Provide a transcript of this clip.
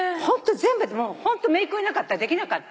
ホントめいっ子いなかったらできなかった。